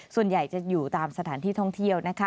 ส่วนใหญ่จะอยู่ตามสถานที่ท่องเที่ยวนะคะ